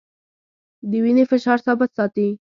د وینې فشار ثابت ساتي.